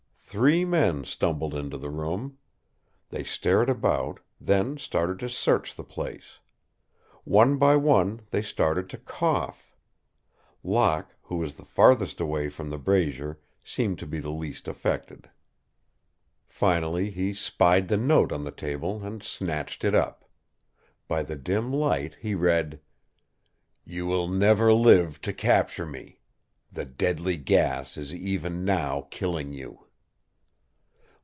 Three men stumbled into the room. They stared about, then started to search the place. One by one they started to cough. Locke, who was the farthest away from the brazier, seemed to be the least affected. Finally he spied the note on the table and snatched it up. By the dim light he read: You will never live to capture me. The deadly gas is even now killing you.